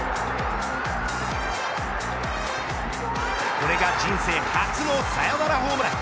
これが人生初のサヨナラホームラン。